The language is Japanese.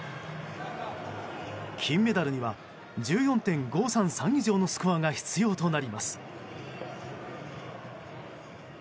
金メダルには１４．５３３以上のスコアが必要となります。